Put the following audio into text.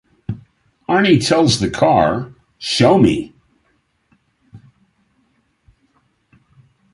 Arnie tells the car, Show me.